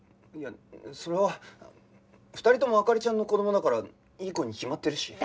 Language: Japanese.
いやそれは２人とも灯ちゃんの子供だからいい子に決まってるし。